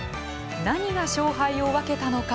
何が勝敗を分けたのか。